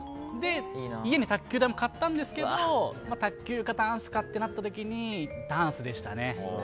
家に卓球台も買ったんですけど卓球かダンスかとなった時にダンスでしたね。